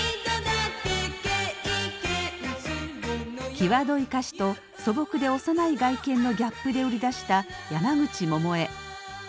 際どい歌詞と素朴で幼い外見のギャップで売り出した山口百恵。